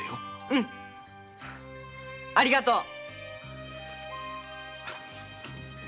うんありがとう。